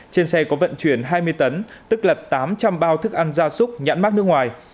trên xe có vận chuyển hai mươi tấn tức là tám trăm linh bao thức ăn gia súc nhãn mát nước ngoài